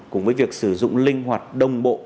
cùng với việc sử dụng linh hoạt đồng bộ